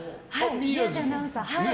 宮司アナウンサー、はい。